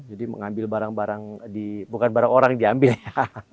saya ambil barang barang bukan barang orang diambil ya